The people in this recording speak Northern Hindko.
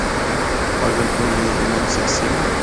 اگر کوئی اے علم سکھسی۔